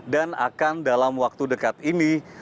dan akan dalam waktu dekat ini